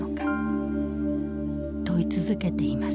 問い続けています。